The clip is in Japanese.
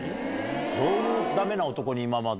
どういうダメな男に今まで。